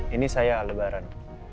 ini saya al lebaran